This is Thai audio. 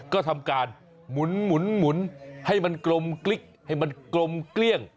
ก็ทำการหมุนให้มันกลมกลิ๊กให้มันกลมเกลี้ยง